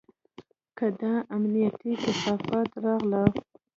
که دا امنيتي کثافات راغله.